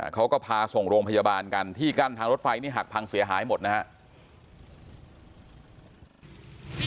เขาก็พาส่งโรงพยาบาลกันที่กั้นทางรถไฟนี่หักพังเสียหายหมดนะครับ